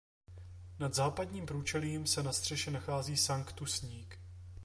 Nad západním průčelím se na střeše nachází sanktusník.